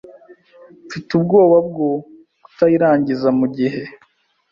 Mfite ubwoba bwo kutayirangiza mugihe.